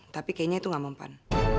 tapi kayaknya itu gak mempan